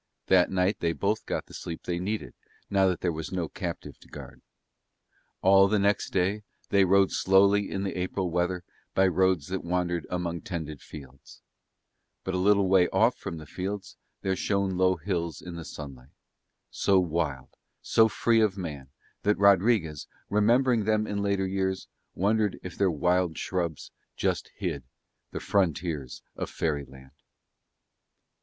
That night they both got the sleep they needed, now that there was no captive to guard. All the next day they rode slowly in the April weather by roads that wandered among tended fields; but a little way off from the fields there shone low hills in the sunlight, so wild, so free of man, that Rodriguez remembering them in later years, wondered if their wild shrubs just hid the frontiers of fairyland.